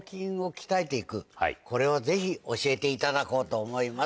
これをぜひ教えていただこうと思います。